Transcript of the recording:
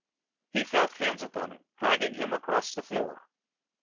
He felt hands upon himself, dragging him across the floor.